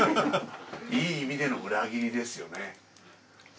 いい意味での裏切りですよね。